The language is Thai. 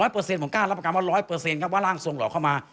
ผมกล้ารับประกันว่า๑๐๐ครับว่าร่างทรงหลอกเข้ามา